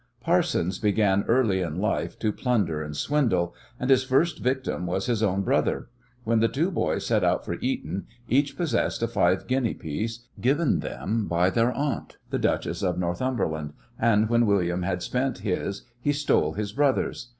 Parsons began early in life to plunder and swindle, and his first victim was his own brother. When the two boys set out for Eton each possessed a five guinea piece, given them by their aunt, the Duchess of Northumberland, and when William had spent his he stole his brother's.